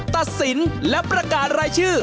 ตัดสินและประกาศรายชื่อ